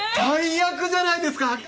大役じゃないですか。